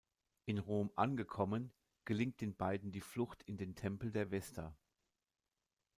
In Rom angekommen, gelingt den beiden die Flucht in den Tempel der Vesta.